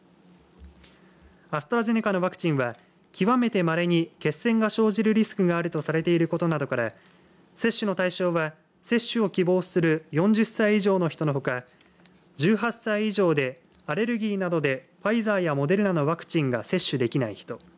アストラゼネカのワクチンは極めてまれに血栓が生じるリスクがあるとされていることなどから接種の対象は接種を希望する４０歳以上の人のほか１８歳以上でアレルギーなどでファイザーやモデルナのワクチンが接種できない人